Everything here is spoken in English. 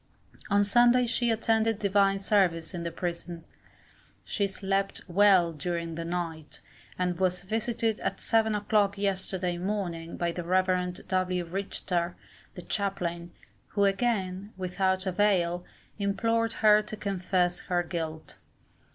On Sunday she attended Divine service in the prison. She slept well during the night, and was visited at seven o'clock yesterday morning by the Rev. W. Richter, the chaplain, who again, without avail, implored her to confess her guilt.